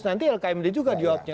nanti lkmd juga dijawabnya